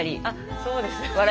あそうですよね。